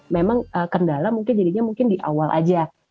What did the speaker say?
memang kendala mungkin jadinya di awal saja